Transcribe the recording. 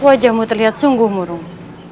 wajahmu terlihat sungguh murung